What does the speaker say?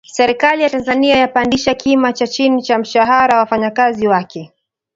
Serikali ya Tanzania yapandisha kima cha chini cha mshahara wa wafanyakazi wake